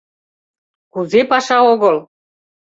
— Кузе паша огыл!